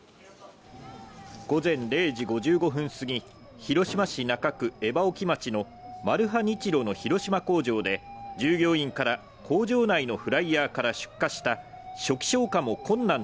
午前０時５５分すぎ、広島市中区江波沖町のマルハニチロ広島工場で、従業員から工場内のフライヤーから出火した。